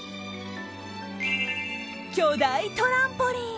巨大トランポリン